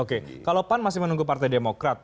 oke kalau pan masih menunggu partai demokrat